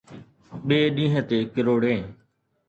ٻئي ڏينهن تي ڪروڙين